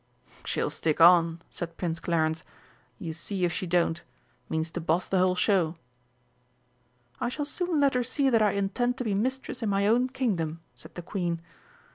"She'll stick on," said Prince Clarence, "you see if she don't. Means to boss the whole show." "I shall soon let her see that I intend to be mistress in my own Kingdom," said the Queen.